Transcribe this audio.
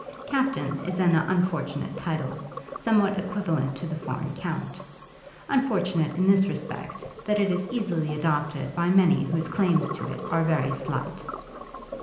Captain is an unfortunate title, somewhat equivalent to the foreign count, unfortunate in this respect, that it is easily adopted by many whose claims to it are very slight.